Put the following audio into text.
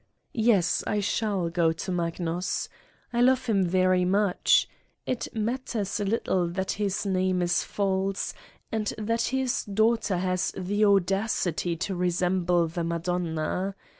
Yes, I shall go to Magnus. I love him very much. It matters little that his name is false and that his daughter has the audacity to resemble the Madonna.